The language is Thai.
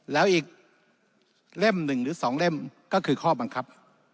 แล้วอีกเล่ม๑หรือ๒เล่มก็คือข้อบังคับ